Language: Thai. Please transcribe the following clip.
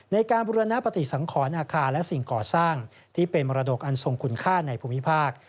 ในการบุรณปฏิสังขรอาคารและสิ่งก่อสร้างที่เป็นมรดกอันทรงคุณค่าในภูมิภาค